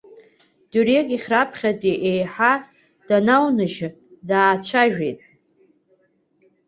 Дырҩегьых раԥхьатәи еиҳа доунажьны даацәажәеит.